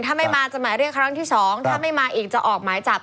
ถ้าไม่มาจะหมายเรียกครั้งที่๒ถ้าไม่มาอีกจะออกหมายจับ